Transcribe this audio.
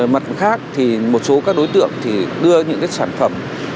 mặt khác thì một số các đối tượng thì đưa những sản phẩm